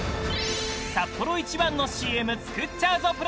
サッポロ一番のＣＭ作っちゃうぞ！